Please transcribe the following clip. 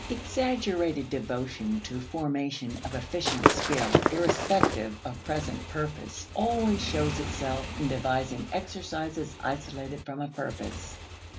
Exaggerated devotion to formation of efficient skill irrespective of present purpose always shows itself in devising exercises isolated from a purpose.